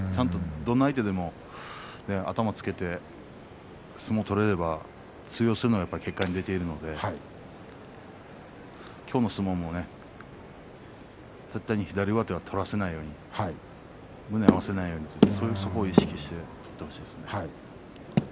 どんな相手でも頭をつけて相撲を取れれば通用するのは結果に出ているので今日の相撲も絶対に左上手は取らせないように胸を合わせないようにそこを意識して取ってほしいですね。